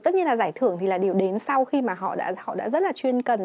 tất nhiên là giải thưởng thì là điều đến sau khi mà họ đã rất là chuyên cần